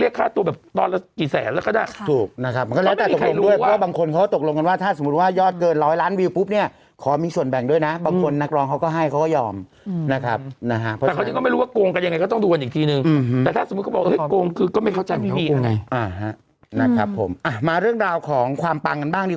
เหมือนกับร้องเพลงจะไปรู้สึกว่าอันนี้จะดังบุภัยสันนิวาสอย่างนี้